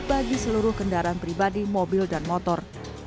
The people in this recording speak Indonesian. bagi seluruh kendaraan pribadi mobil dan motor